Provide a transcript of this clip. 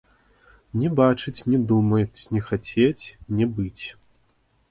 Не бачыць, не думаць не хацець, не быць!